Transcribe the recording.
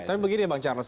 tapi begini bang charles